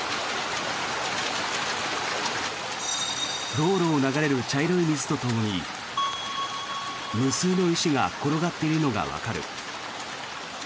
道路を流れる茶色い水とともに無数の石が転がっているのがわかる。